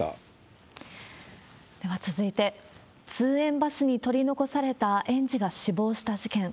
では続いて、通園バスに取り残された園児が死亡した事件。